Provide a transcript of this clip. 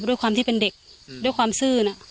ด้วยความที่เป็นเด็กด้วยความซื่อนะ